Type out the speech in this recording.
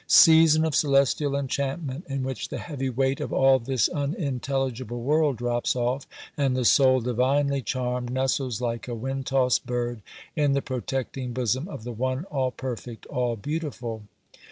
Season of celestial enchantment, in which the heavy weight 'of all this unintelligible world' drops off, and the soul, divinely charmed, nestles like a wind tossed bird in the protecting bosom of the One all Perfect, all Beautiful.